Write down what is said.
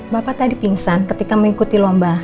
bapak tadi pingsan ketika mengikuti lomba